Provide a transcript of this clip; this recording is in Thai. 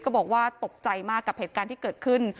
บอกว่าตกใจมากกับเหตุการณ์ที่เกิดขึ้น